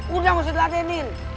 udah mesti dilatenin